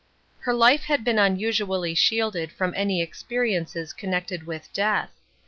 Her life had been unusually shielded from any experiences connected with death.